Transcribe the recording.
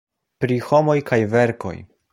Pri Homoj kaj Verkoj.